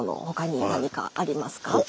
他に何かありますか？